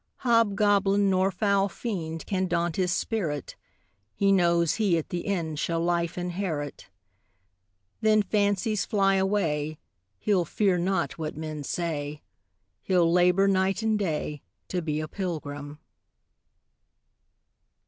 "Hobgoblin nor foul fiend Can daunt his spirit; He knows he at the end Shall life inherit. Then, fancies fly away, He'll fear not what men say; He'll labor night and day To be a pilgrim."